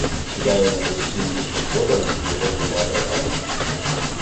Сідаємо за стіл із господарем і його двома братами.